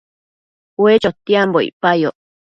Ue chotiambo icpayoc